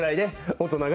大人が？